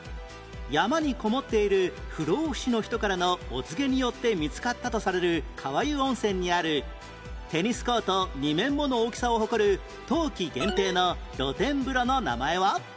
山にこもっている不老不死の人からのお告げによって見つかったとされる川湯温泉にあるテニスコート２面もの大きさを誇る冬季限定の露天風呂の名前は？